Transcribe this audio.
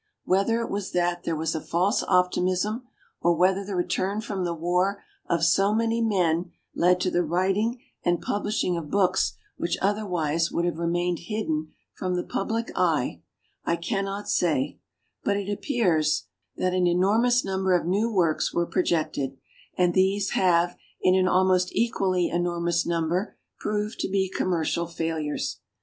Whether it was that there was a false optimism, or whether the return from the war of so many men led to the writing and publishing of books which otherwise would have remained hidden from the public eye, I cannot say; but it ap pears that an enormous number of new works were projected, and these have in an almost equally enormous number proved to be commercial fail ures.